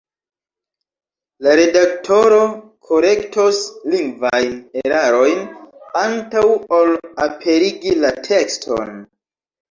La redaktoro korektos lingvajn erarojn antaŭ ol aperigi la tekston.